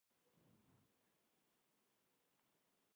پوځي د ناوې ټکري لیرې کړ او نجلۍ لوڅه ودرېده.